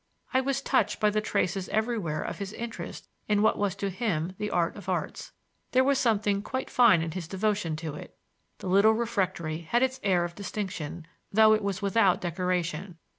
I was touched by the traces everywhere of his interest in what was to him the art of arts; there was something quite fine in his devotion to it. The little refectory had its air of distinction, though it was without decoration.